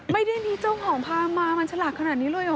ไม่ได้มีเจ้าของพามามันฉลาดขนาดนี้เลยเหรอ